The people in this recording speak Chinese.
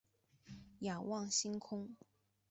仰望着星空